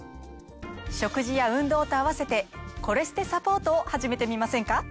食事や運動と合わせてコレステサポートを始めてみませんか？